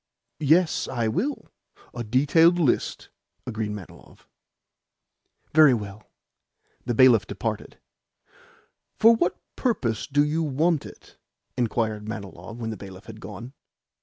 "Yes, I will a detailed list," agreed Manilov. "Very well." The bailiff departed. "For what purpose do you want it?" inquired Manilov when the bailiff had gone.